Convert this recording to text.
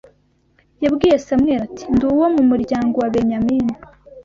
Yabwiye Samweli ati ndi uwo mu muryango wa Benyamini